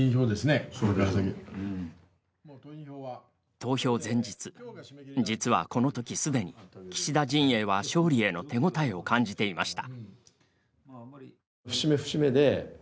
投票前日実はこのときすでに岸田陣営は勝利への手応えを感じていました。